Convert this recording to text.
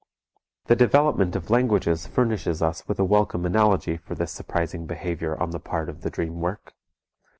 The development of languages furnishes us with a welcome analogy for this surprising behavior on the part of the dream work.